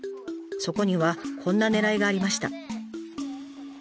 そこにはこんなねらいがありました。